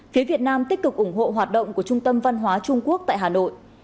phía việt nam tích cực ủng hộ hoạt động của trung tâm văn hóa trung quốc tại hà nội